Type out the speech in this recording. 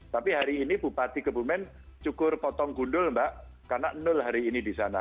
tapi hari ini bupati kebumen cukur potong gundul mbak karena nol hari ini di sana